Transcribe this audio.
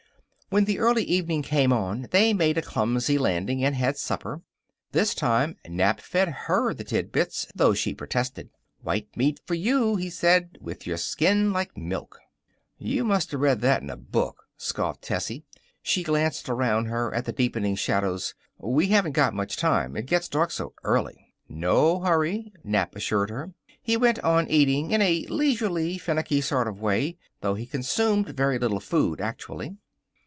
When the early evening came on they made a clumsy landing and had supper. This time Nap fed her the tidbits, though she protested. "White meat for you," he said, "with your skin like milk." "You must of read that in a book," scoffed Tessie. She glanced around her at the deepening shadows. "We haven't got much time. It gets dark so early." "No hurry," Nap assured her. He went on eating in a leisurely, finicking sort of way, though he consumed very little food, actually.